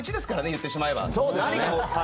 言ってしまえば。